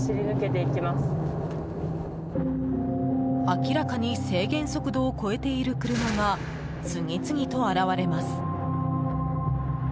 明らかに制限速度を超えている車が次々と現れます。